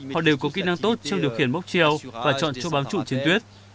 họ đều có kỹ năng tốt trong điều khiển bốc treo và chọn chỗ bám trụ chiến tuyết